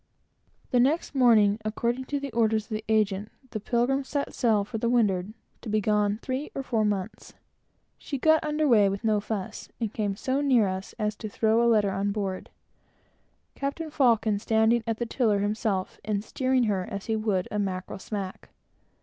The next morning, according to the orders of the agent, the Pilgrim set sail for the windward, to be gone three or four months. She got under weigh with very little fuss, and came so near us as to throw a letter on board, Captain Faucon standing at the tiller himself, and steering her as he would a mackerel smack.